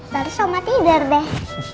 terus oma tidur deh